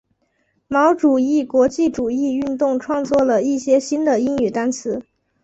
毛主义国际主义运动创作了一些新的英语单词。